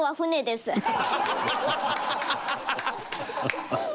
ハハハハハ！